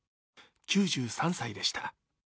９３歳でした。